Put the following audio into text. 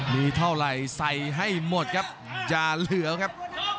มีเท่าไรทรายให้หมดครับอย่าเหลือครับ